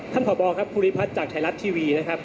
ท่านพ่อพอครับพุทธิภาทจากไทยรัตน์ทีวีนะครับ